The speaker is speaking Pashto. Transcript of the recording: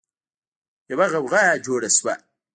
يوه غوغا جوړه شوه.